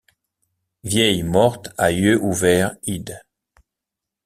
Vieille morte à yeulx ouverts id.